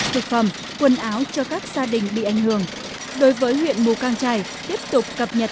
thực phẩm quần áo cho các gia đình bị ảnh hưởng đối với huyện mù căng trải tiếp tục cập nhật